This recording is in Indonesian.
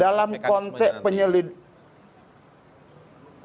dalam konteks penyelidikan